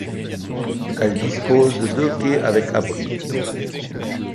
Elle dispose de deux quais avec abris.